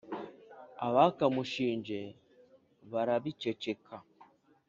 abakamushinje barabiceceka